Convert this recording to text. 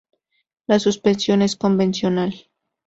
La suspensión es convencional.